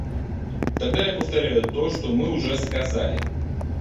Тогда я повторяю то, что мы уже сказали.